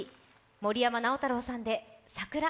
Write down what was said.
森山直太朗さんで「さくら」。